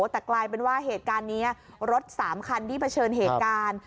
แต่กลายเป็นว่าเหตุการณ์นี้รถ๓คันที่เผชิญเหตุการณ์